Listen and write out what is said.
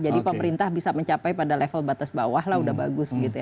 jadi pemerintah bisa mencapai pada level batas bawah sudah bagus